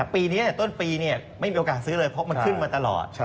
ปีนี้ต้นปีไม่มีโอกาสซื้อเลยเพราะมันขึ้นมาตลอด